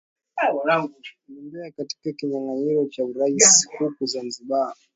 gombea katika kinyanganyiro cha urais huku zanzibar